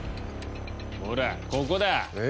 ほらここだ。え。